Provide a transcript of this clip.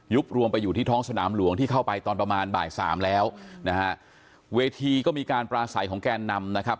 รวมไปอยู่ที่ท้องสนามหลวงที่เข้าไปตอนประมาณบ่ายสามแล้วนะฮะเวทีก็มีการปราศัยของแกนนำนะครับ